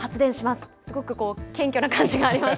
すごく謙虚な感じがあります